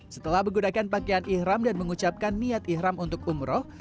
setelah menggunakan pakaian ikhram dan mengucapkan niat ikhram untuk umroh